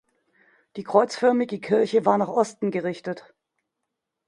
Die kreuzförmige Kirche war nach Osten gerichtet.